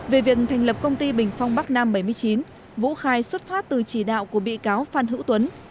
về việc thành lập công ty bình phong bắc nam bảy mươi chín vũ khai xuất phát từ chỉ đạo của bị cáo phan hữu tuấn